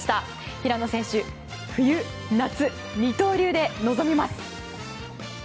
平野選手、冬夏二刀流で臨みます。